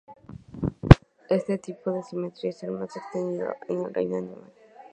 Este tipo de simetría es el más extendido en el reino animal.